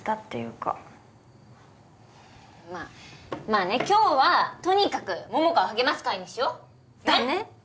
まあ今日はとにかく桃香を励ます会にしよ。だね。